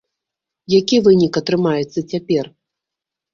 Які вынік атрымаецца цяпер?